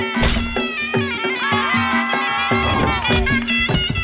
สุดเลย